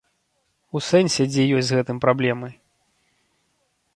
У сэнсе дзе ёсць з гэтым праблемы.